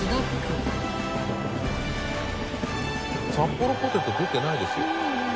サッポロポテト出てないですよ。